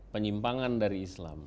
penyimpangan dari islam